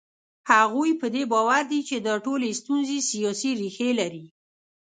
هغوی په دې باور دي چې دا ټولې ستونزې سیاسي ریښې لري.